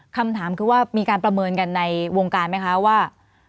คำถามคือว่ามีการประเมินกันในวงการไหมคะว่า